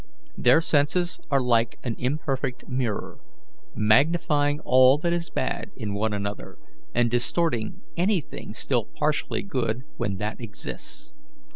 Their senses are like an imperfect mirror, magnifying all that is bad in one another, and distorting anything still partially good when that exists.